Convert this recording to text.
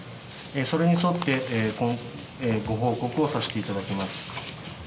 それに沿って、ご報告をさせていただきます。